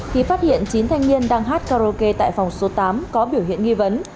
thì phát hiện chín thanh niên đang hát karaoke tại phòng số tám có biểu hiện nghi vấn